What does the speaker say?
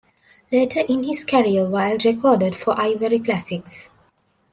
Later in his career, Wild recorded for Ivory Classics.